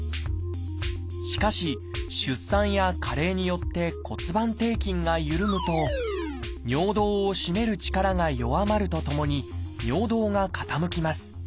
しかし出産や加齢によって骨盤底筋が緩むと尿道を締める力が弱まるとともに尿道が傾きます。